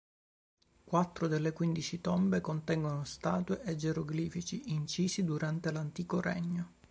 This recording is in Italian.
Quattro delle quindici tombe contengono statue e geroglifici incisi durante l'Antico Regno.